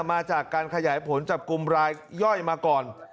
มาจากการขยายผลจับกลุ่มรายย่อยมาก่อน